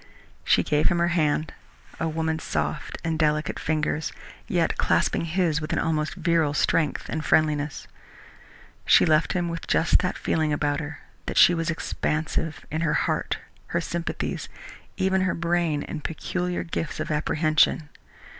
She gave him her hand a woman's soft and delicate fingers, yet clasping his with an almost virile strength and friendliness. She left him with just that feeling about her that she was expansive, in her heart, her sympathies, even her brain and peculiar gifts of apprehension.